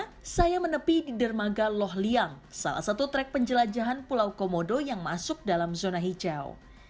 pertama saya menepi di dermaga loh liang salah satu trek penjelajahan pulau komodo yang masuk dalam zona hijau